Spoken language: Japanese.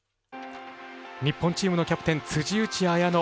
日本チームのキャプテン辻内彩野。